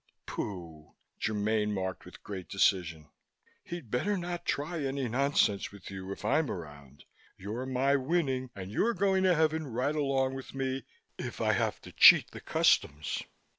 "Pooh!" Germaine remarked with great decision. "He'd better not try any nonsense with you if I'm around. You're my Winnie and you're going to Heaven right along with me if I have to cheat the Customs."